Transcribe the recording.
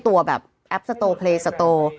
แอปโตรพเลสโตร